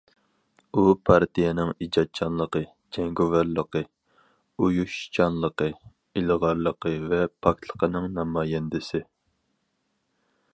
ئۇ پارتىيەنىڭ ئىجادچانلىقى، جەڭگىۋارلىقى، ئۇيۇشۇشچانلىقى، ئىلغارلىقى ۋە پاكلىقىنىڭ نامايەندىسى.